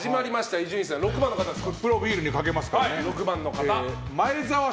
伊集院さん、６番の方ですね。